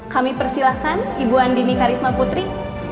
kami persilahkan ibu andini karisma putri